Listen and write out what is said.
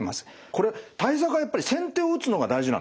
これ対策はやっぱり先手を打つのが大事なんですか。